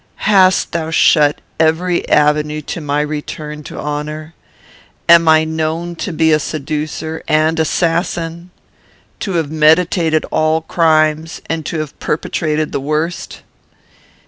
Hast thou shut every avenue to my return to honour? Am I known to be a seducer and assassin? To have meditated all crimes, and to have perpetrated the worst?